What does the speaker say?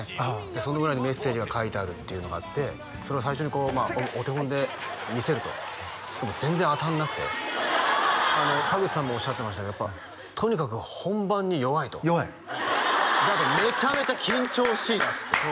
その裏にメッセージが書いてあるっていうのがあってそれを最初にこうお手本で見せるとでも全然当たんなくて田口さんもおっしゃってましたけどやっぱとにかく本番に弱いと弱いであとめちゃめちゃ緊張しいなんですって